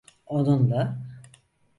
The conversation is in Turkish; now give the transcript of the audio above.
Onunla…